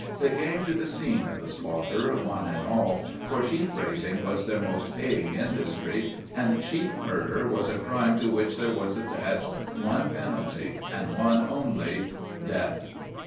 They came to the scene of the slaughter, one and all, for sheep raising was their most paying industry, and sheep murder was a crime to which there was attached one penalty and one only—death.